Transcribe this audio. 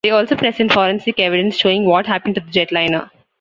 They also present forensic evidence showing what happened to the jetliner.